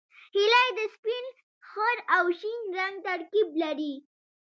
هیلۍ د سپین، خړ او شین رنګ ترکیب لري